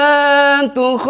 as'alatu khairum minannawum